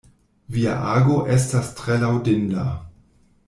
Via ago estas tre laŭdinda.